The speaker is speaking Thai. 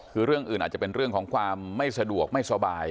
คือเรื่องอื่นอาจจะเป็นเรื่องของความไม่สะดวกไม่สบาย